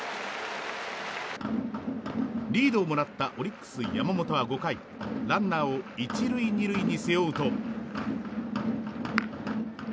リードをもらったオリックス、山本は５回ランナーを１塁２塁に背負うと。